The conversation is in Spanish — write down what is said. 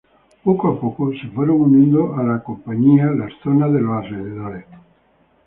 Poco a poco, se fueron uniendo a la compañía las zonas de los alrededores.